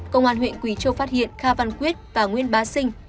công an huyện quỳ châu phát hiện kha văn quyết và nguyên bá sinh